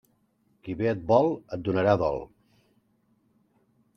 Qui bé et vol et donarà dol.